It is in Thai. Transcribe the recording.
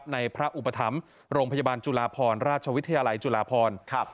ในพระอุปถัมภ์โรงพยาบาลจุฬาพรราชวิทยาลัยจุฬาพร